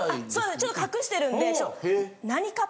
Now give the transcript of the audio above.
ちょっと隠してるんで。